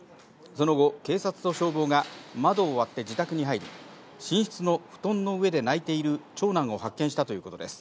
その後、警察と消防が窓を割って自宅に入り、寝室の布団の上で泣いている長男を発見したということです。